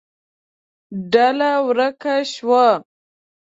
ډله ورکه شوه.